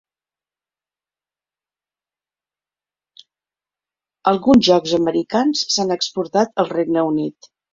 Alguns jocs americans s"han exportat al Regne Unit.